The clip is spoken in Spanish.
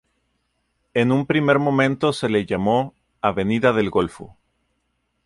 En un primer momento se le llamó "Avenida del Golfo".